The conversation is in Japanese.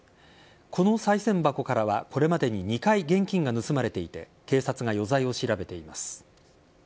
このさい銭箱からはこれまでに２回現金が盗まれていて警察が余罪を調べています。